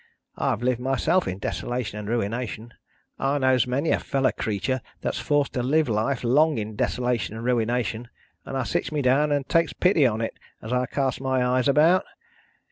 I've lived myself in desolation and ruination; I knows many a fellow creetur that's forced to live life long in desolation and ruination; and I sits me down and takes pity on it, as I casts my eyes about.